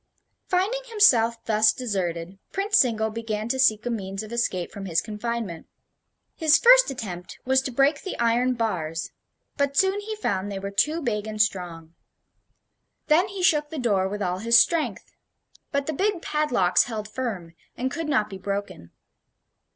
Finding himself thus deserted, Prince Zingle began to seek a means of escape from his confinement. His first attempt was to break the iron bars; but soon he found they were too big and strong. Then he shook the door with all his strength; but the big padlocks held firm, and could not be broken.